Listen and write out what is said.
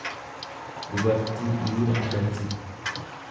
dubartii dhiira adamsitu.